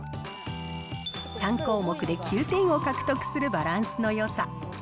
３項目で９点を獲得するバランスのよさ。